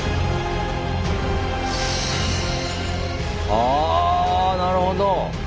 ああなるほど！